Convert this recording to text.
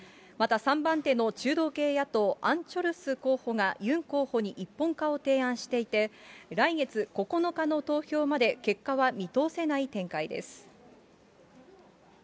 また３番手の中道系野党、アン・チョルス候補がユン候補に一本化を提案していて、来月９日の投票まで結果は見通せない展開です。